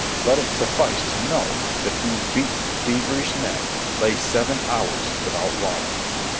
Let it suffice to know that these beaten, feverish men lay seven hours without water.